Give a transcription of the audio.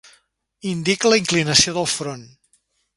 Indica la inclinació del front.